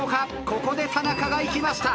ここで田中が行きました。